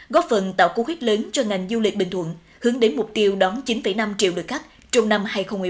góp phần tạo cú khuyết lớn cho ngành du lịch bình thuận hướng đến mục tiêu đón chín năm triệu lượt khách trong năm hai nghìn một mươi bốn